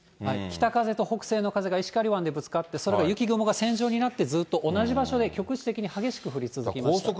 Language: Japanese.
北風と北西の風が石狩湾でぶつかってそれが雪雲、線状になって、ずっと同じ場所で局地的に激しく降り続きました。